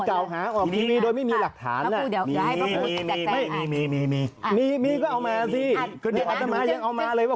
กันให้กันเลยวิธีแดบเรื่องนี้อ่ะ